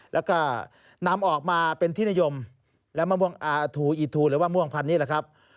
แล้วก็นำออกมาเป็นที่นิยมและมะม่วงอาทูอีทูหรือว่าม่วงพันธุนี่แหละครับ